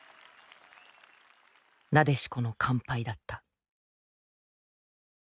なでしこの完敗だった。